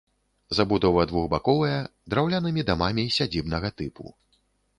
Забудова двухбаковая, драўлянымі дамамі сядзібнага тыпу.